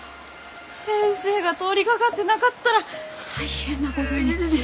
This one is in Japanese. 先生が通りかかってなかったら大変なごどに。